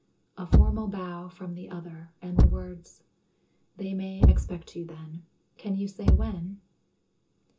A formal bow from the other and the words: "They may expect you, then. Can you say when?"